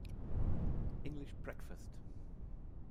English Breakfast.